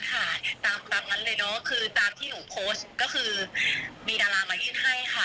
คือตามที่หนูโพสต์ก็คือมีดารามายื่นให้ค่ะ